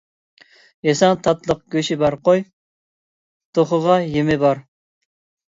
يېسەڭ تاتلىق «گۆشى»بار، قوي، توخۇغا «يېمى» بار.